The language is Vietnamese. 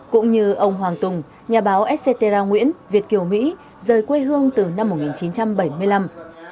cũng như ông hoàng tùng nhà báo sc terra nguyễn việt kiều mỹ rời quê hương từ năm một nghìn chín trăm bảy mươi năm